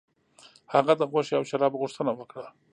هغه د غوښې او شرابو غوښتنه وکړه.